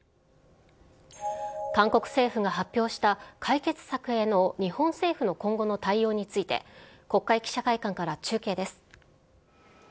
韓国政府が発表した解決策への日本政府の今後の対応について、国会記者会館から中継です。